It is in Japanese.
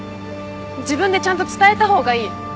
自分でちゃんと伝えた方がいい。